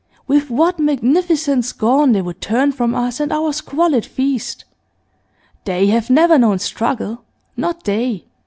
'With what magnificent scorn they would turn from us and our squalid feast! They have never known struggle; not they.